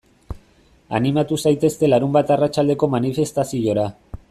Animatu zaitezte larunbat arratsaldeko manifestaziora.